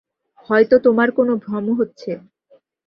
হয়তো তোমার কোনো ভ্রম হচ্ছে।